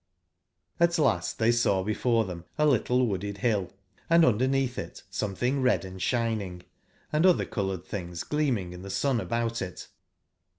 XI last they saw before them a little wooded bill, and underneath it some thing red and shining, Mother colour ed things gleaming in the sun about it.